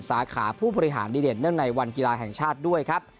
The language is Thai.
สาขาผู้บริหารดีเด่นเนื่องในวันกีฬาแห่งชาติด้วยครับ